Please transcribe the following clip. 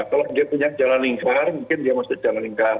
kalau dia punya jalan lingkar mungkin dia masih jalan lingkar